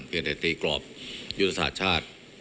แต่ตีกรอบยุทธศาสตร์ชาติ